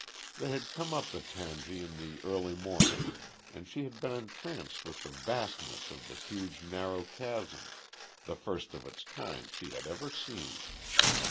They had come up the tangi in the early morning and she had been entranced with the vastness of the huge narrow chasm, the first of its kind she had ever seen.